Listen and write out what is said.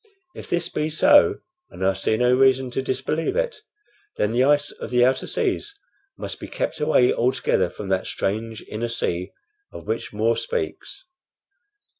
If this be so, and I see no reason to disbelieve it, then the ice of the outer seas must be kept away altogether from that strange inner sea of which More speaks.